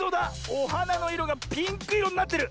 おはなのいろがピンクいろになってる！